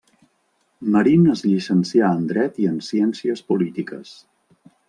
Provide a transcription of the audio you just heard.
Marín es llicencià en dret i en ciències polítiques.